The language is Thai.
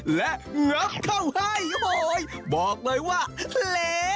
และงับเข้าให้โอ้โหบอกเลยว่าเหล